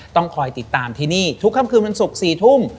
ต้องคอยติดตามที่นี่ทุกค่ำคืนวันศุกร์๔ทุ่ม